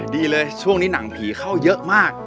ดีเลยช่วงนี้หนังผีเข้าเยอะมาก